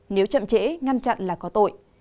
nếu chậm trễ ngăn chặn là có tội